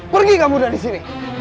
pergi kamu dari sini